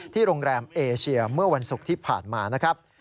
โรงแรมเอเชียเมื่อวันศุกร์ที่ผ่านมานะครับ